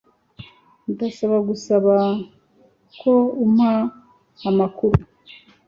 Ndasaba gusaba ko umpa amakuru